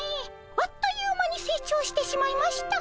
あっという間に成長してしまいました。